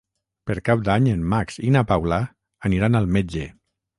Per Cap d'Any en Max i na Paula aniran al metge.